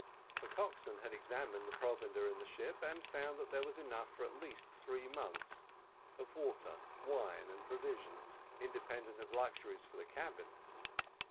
The coxswain had examined the provender in the ship, and found that there was enough for at least three months, of water, wine, and provisions, independent of luxuries for the cabin.